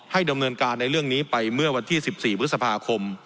ดำเนินการในเรื่องนี้ไปเมื่อวันที่๑๔พฤษภาคม